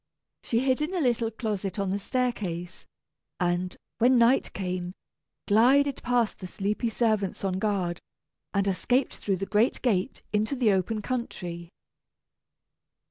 She hid in a little closet on the staircase, and, when night came, glided past the sleepy servants on guard, and escaped through the great gate into the open country.